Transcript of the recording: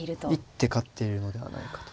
一手勝っているのではないかと。